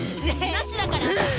なしだから！